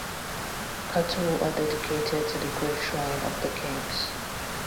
Cattle are dedicated to the grave-shrine of the kings.